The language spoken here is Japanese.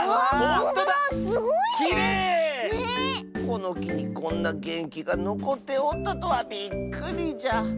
このきにこんなげんきがのこっておったとはびっくりじゃ。